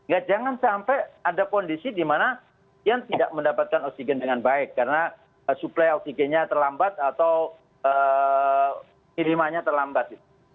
ya jangan sampai ada kondisi di mana yang tidak mendapatkan oksigen dengan baik karena suplai oksigennya terlambat atau kirimannya terlambat